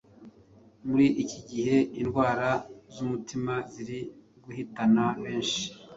muri iki gihe indwara z’umutima ziri guhitana benshi